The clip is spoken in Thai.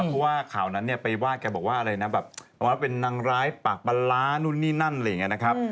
เพราะว่าข่าวนั้นเนี่ยไปว่าแกบอกว่าอะไรนะแบบว่าเป็นนางร้ายปากปลาร้านู่นนี่นั่นอะไรอย่างนี้นะครับ